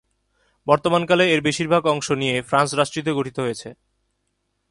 বর্তমানকালে এর বেশির ভাগ অংশ নিয়ে ফ্রান্স রাষ্ট্রটি গঠিত হয়েছে।